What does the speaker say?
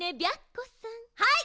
はい！